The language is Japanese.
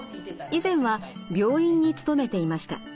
以前は病院に勤めていました。